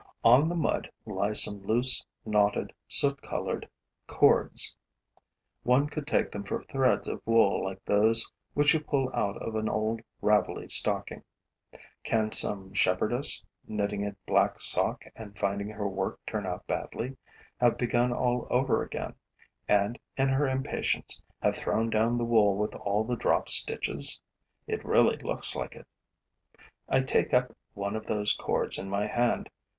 On the mud lie some loose, knotted, soot colored cords. One could take them for threads of wool like those which you pull out of an old ravelly stocking. Can some shepherdess, knitting a black sock and finding her work turn out badly, have begun all over again and, in her impatience, have thrown down the wool with all the dropped stitches? It really looks like it. I take up one of those cords in my hand.